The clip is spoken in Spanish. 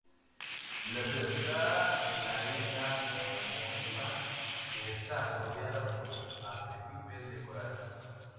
La ciudad está en la isla homónima que está rodeada por arrecifes de coral.